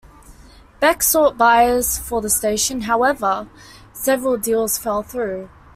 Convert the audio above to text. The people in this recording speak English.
Beck sought buyers for the station; however, several deals fell through.